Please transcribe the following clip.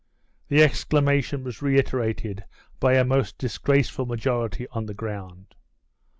The exclamation was reiterated by a most disgraceful majority on the ground.